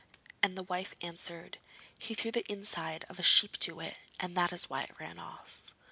And the wife answered: 'He threw the inside of a sheep to it, and that is why it ran off.'